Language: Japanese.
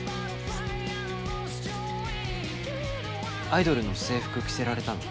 アイドルの制服着せられたの？